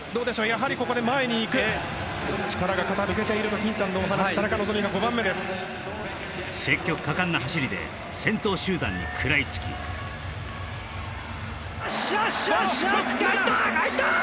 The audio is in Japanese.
やはりここで前に行く力が肩抜けていると金さんのお話田中希実が５番目です積極果敢な走りで先頭集団に食らいつきよしよしよし入った！